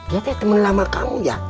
ya teh teman lama kamu ya